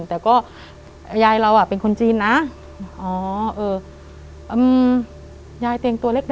แต่ก็ยายเราอ่ะเป็นคนจีนนะอ๋อเออยายเตียงตัวเล็ก